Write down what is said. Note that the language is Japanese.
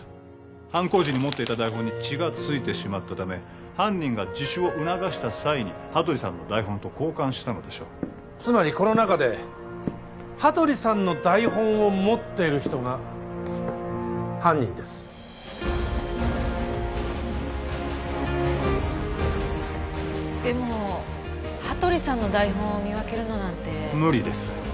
犯行時に持っていた台本に血がついてしまったため犯人が自首を促した際に羽鳥さんの台本と交換したのでしょうつまりこの中で羽鳥さんの台本を持っている人が犯人ですでも羽鳥さんの台本を見分けるのなんて無理です